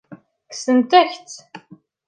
Kksent-ak-tt.